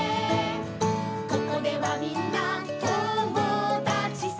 「ここではみんな友だちさ」